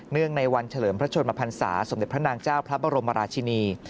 ในวันเฉลิมพระชนมพันศาสมเด็จพระนางเจ้าพระบรมราชินี